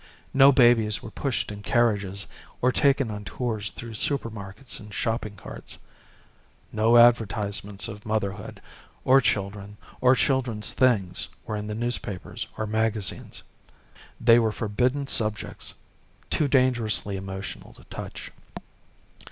No babies were pushed in carriages or taken on tours through the supermarkets in shopping carts. No advertisements of motherhood, or children, or children's things were in the newspapers or magazines. They were forbidden subjects too dangerously emotional to touch.